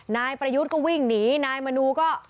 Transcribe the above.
นายประยุทธ์ก็วิ่งหนีนายมนูก็